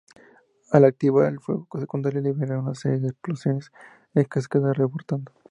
Al activar el fuego secundario libera una serie de explosiones en cascada rebotando.